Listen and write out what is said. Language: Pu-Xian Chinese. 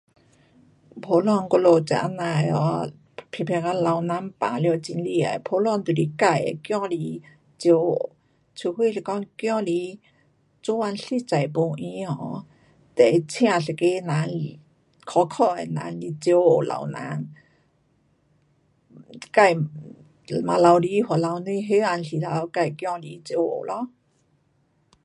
普通我们这啊那的 um 比如讲老人病了会厉害，普通都是自己的儿子照顾。除非是讲儿子做工实在没空 um 就会请一个人来可靠的人来照顾老人。自己得晚头里回来放工时头自己儿子照顾咯。